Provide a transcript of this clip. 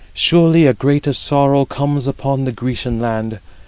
surely a great sorrow comes upon the Grecian land.